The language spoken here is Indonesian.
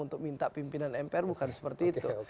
untuk minta pimpinan mpr bukan seperti itu